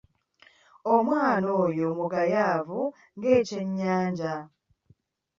Omwana oyo mugayaavu nga Ekyennyanja.